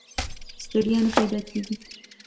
ستړیا نه پیدا کېږي.